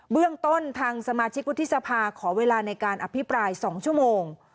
เรื่องต้นทางสมาชิกวุฒิสภาขอเวลาในการอภิปราย๒ชั่วโมง